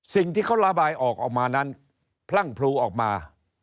สิ่งที่เขาระบายออกออกมานั้นพลั่งพลูออกมา